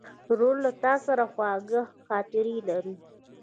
ورور له تا سره خواږه خاطرې لري.